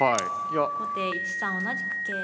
後手１三同じく桂。